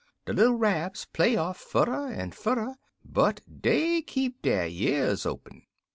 "De little Rabs play off furder en furder, but dey keep der years open.